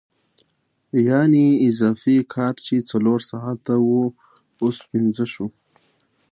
یانې اضافي کار چې څلور ساعته وو اوس پنځه شو